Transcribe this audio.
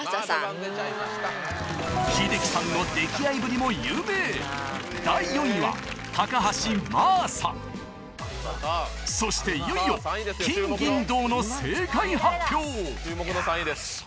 英樹さんの溺愛ぶりも有名そしていよいよ金銀銅の正解発表注目の３位です。